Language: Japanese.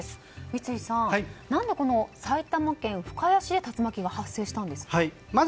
三井さん、何で埼玉県深谷市で竜巻が発生したんですか？